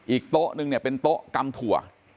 โต๊ะนึงเนี่ยเป็นโต๊ะกำถั่ว